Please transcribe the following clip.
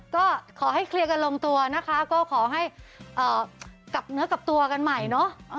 ก็ขอให้เคลียร์กันลงตัวนะคะก็ขอให้กลับเนื้อกลับตัวกันใหม่เนอะ